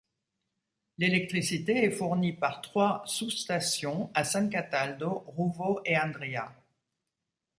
L'électricité est fournie par trois sous-stations à San Cataldo, Ruvo e Andria.